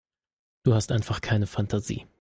Du hast einfach keine Fantasie.